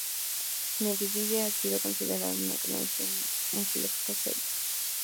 Mandeville ha sido considerado un economista y un filósofo serio.